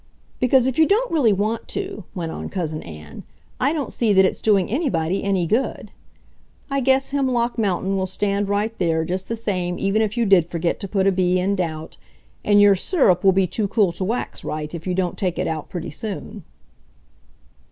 "Because if you don't really want to," went on Cousin Ann, "I don't see that it's doing anybody any good. I guess Hemlock Mountain will stand right there just the same even if you did forget to put a b in 'doubt.' And your syrup will be too cool to wax right if you don't take it out pretty soon."